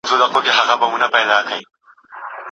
مور او پلار د ژوند خواږه دي.